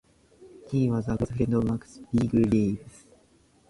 He was a close friend of Max Bygraves.